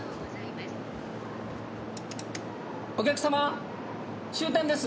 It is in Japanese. お客様終点です。